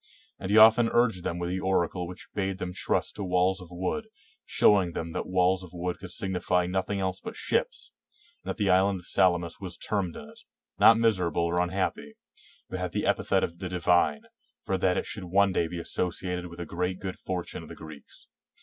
And he often urged them with the oracle which bade them trust to walls of wood, showing them that walls of wood could signify nothing else but ships ; and that the island of Salamis was termed in it, not miserable or un happy, but had the epithet of divine, for that it should one day be associated with a great good fortune of the Greeks.